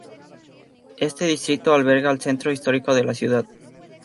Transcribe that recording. Este distrito alberga al centro histórico de la ciudad.